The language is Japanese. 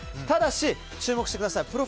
ただし、注目してください。